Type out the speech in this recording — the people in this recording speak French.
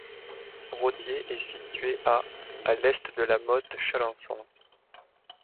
Rottier est situé à à l'est de La Motte-Chalancon.